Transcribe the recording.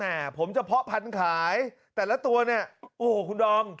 ผมจะเพาะพันธุ์ขายแต่ละตัวเนี่ยโอ้โหคุณดอม